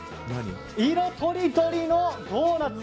色とりどりのドーナツ。